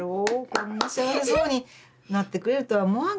こんな幸せそうになってくれるとは思わんかったよね